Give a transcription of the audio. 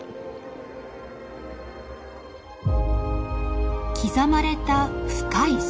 刻まれた深いシワ。